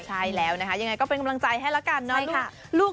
ใช่แล้วนะคะยังไงก็เป็นกำลังใจให้ละกันเนาะ